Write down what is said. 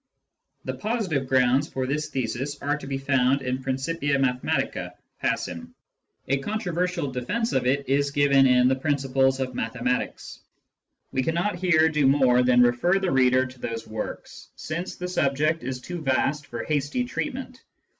The positive grounds for this thesis are to be found in Principia Mathematica, passim ; a controversial defence of it is given in the Principles of Mathe matics. We cannot here do more than refer the reader to those works, since the subject is too vast for hasty treatment.